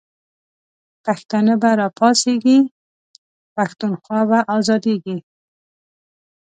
پښتانه به راپاڅیږی، پښتونخوا به آزادیږی